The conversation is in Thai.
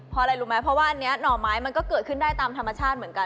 เพราะอะไรรู้ไหมเพราะว่าอันนี้หน่อไม้มันก็เกิดขึ้นได้ตามธรรมชาติเหมือนกัน